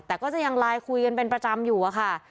แต่ก็จะยังไลน์คุยกันเป็นประจำอยู่อะค่ะ